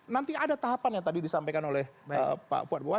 nanti ada tahapan yang tadi disampaikan oleh pak fuadwal